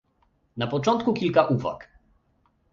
Na początku kilka uwag